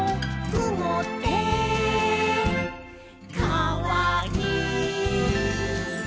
「くもってかわいい」